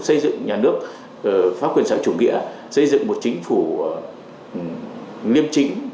xây dựng nhà nước pháp quyền sở chủ nghĩa xây dựng một chính phủ niêm chính